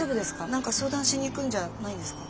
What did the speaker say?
何か相談しに行くんじゃないんですか？